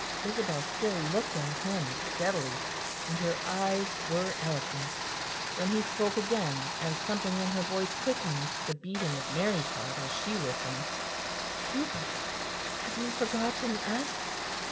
Isabel still looked at him steadily, and her eyes were eloquent. Then she spoke again, and something in her voice quickened the beating of Mary's heart as she listened. "Hubert, have you forgotten us?"